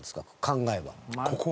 考えは。